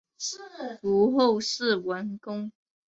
卒后谥文恭。